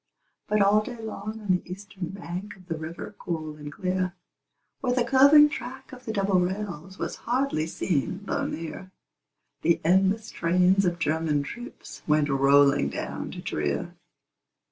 But all day long on the eastern bank Of the river cool and clear, Where the curving track of the double rails Was hardly seen though near, The endless trains of German troops Went rolling down to Trier.